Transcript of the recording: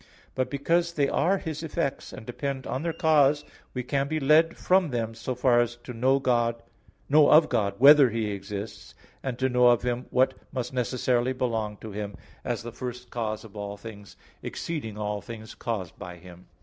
But because they are His effects and depend on their cause, we can be led from them so far as to know of God "whether He exists," and to know of Him what must necessarily belong to Him, as the first cause of all things, exceeding all things caused by Him.